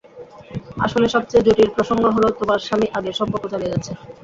আসলে সবচেয়ে জটিল প্রসঙ্গ হলো, তোমার স্বামী আগের সম্পর্ক চালিয়ে যাচ্ছে।